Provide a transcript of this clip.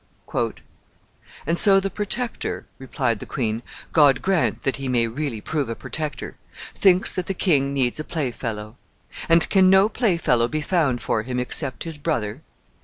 "And so the Protector," replied the queen "God grant that he may really prove a protector thinks that the king needs a playfellow! And can no playfellow be found for him except his brother?